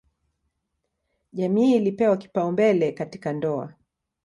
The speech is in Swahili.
Jamii ilipewa kipaumbele katika ndoa.